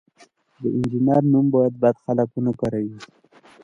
د انجینر نوم باید بد خلک ونه کاروي.